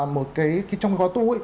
một cái trong khóa tu